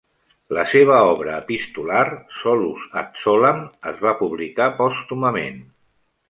La seva obra epistolar, "Solus ad solam", es va publicar pòstumament.